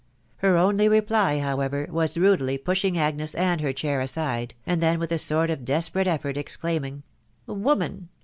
Her only reply, however, was rudely pushing Agnes and her chair aside, and then with a sort of desperate effort, exclaiming, —" Woman